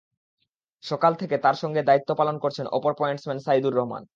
সকাল থেকে তাঁর সঙ্গে দায়িত্ব পালন করছেন অপর পয়েন্টসম্যান সাইদুর রহমান।